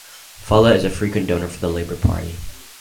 Follett is a frequent donor for the Labour Party.